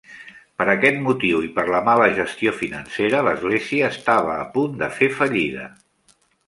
Per aquest motiu i per la mala gestió financera, l'església estava a punt de fer fallida.